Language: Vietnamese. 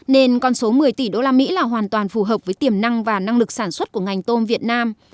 nên con số một mươi tỷ usd là hoàn toàn phù hợp với tiềm năng và năng lực sản xuất của ngành tôm việt nam